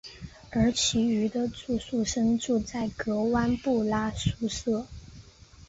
而其余的住宿生住在格湾布拉宿舍。